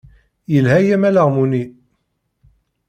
Yelha-yam ulaɣmu-nni.